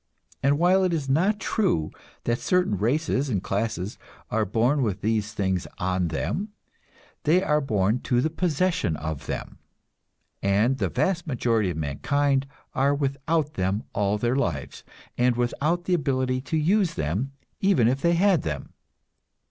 And while it is not true that certain races and classes are born with these things on them, they are born to the possession of them, and the vast majority of mankind are without them all their lives, and without the ability to use them even if they had them.